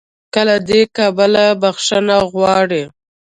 له دې کبله "بخښنه غواړي"